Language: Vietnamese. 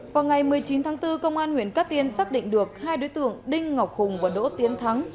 vào ngày một mươi chín tháng bốn công an huyện cát tiên xác định được hai đối tượng đinh ngọc hùng và đỗ tiến thắng